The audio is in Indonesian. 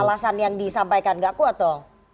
alasan yang disampaikan gak kuat dong